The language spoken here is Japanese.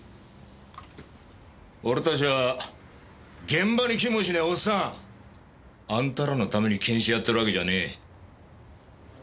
俺たちは現場に来もしねえおっさんあんたらのために検視やってるわけじゃねえ。